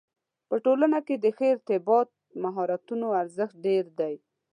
په ټولنه کې د ښه ارتباط مهارتونو ارزښت ډېر دی.